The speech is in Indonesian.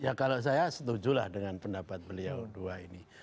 ya kalau saya setujulah dengan pendapat beliau dua ini